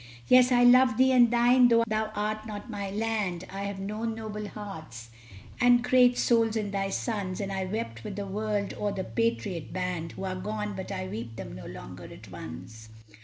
Yes, I loved thee and thine, though thou art not my land; I have known noble hearts and great souls in thy sons, And I wept with the world o'er the patriot band Who are gone, but I weep them no longer as once.